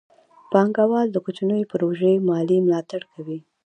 پانګه وال د کوچنیو پروژو مالي ملاتړ کوي.